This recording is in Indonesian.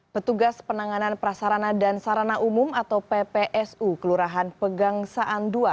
petugas penanganan prasarana dan sarana umum atau ppsu kelurahan pegangsaan ii